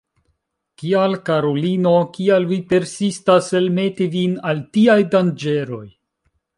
Kial, karulino, kial vi persistas elmeti vin al tiaj danĝeroj?